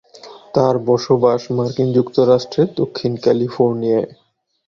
তার বসবাস মার্কিন যুক্তরাষ্ট্রের দক্ষিণ ক্যালিফোর্নিয়ায়।